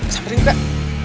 sampai rindu kak